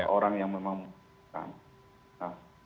orang yang memang menggunakan